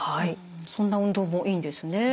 そんな運動もいいんですね。